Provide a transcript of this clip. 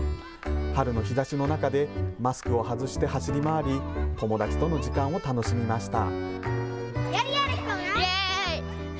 春の日ざしの中でマスクを外して走り回り、友達との時間を楽しみました。